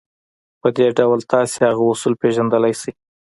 په دې ډول تاسې هغه اصول پېژندلای شئ.